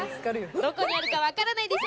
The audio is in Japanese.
どこにあるか分からないでしょ？